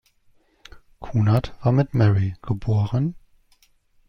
Kunert war mit Marie, geb.